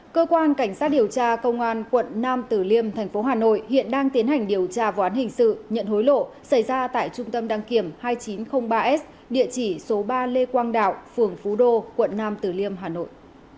cơ quan cảnh sát điều tra công an quận nam tử liêm thành phố hà nội hiện đang tiến hành điều tra vụ án hình sự nhận hối lộ xảy ra tại trung tâm đăng kiểm hai nghìn chín trăm linh ba s địa chỉ số ba lê quang đạo phường phú đô quận nam tử liêm hà nội